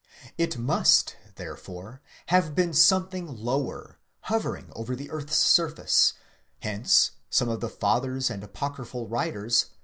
Jt must therefore have been something lower, hovering over the earth's surface ; hence some of the Fathers and apocryphal writers